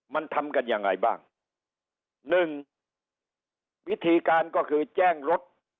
มันทำกันยังไงบ้างหนึ่งวิธีการก็คือแจ้งรถ